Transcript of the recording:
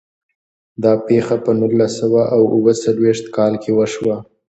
دا پیښه په نولس سوه او اووه څلوېښتم کال کې وشوه.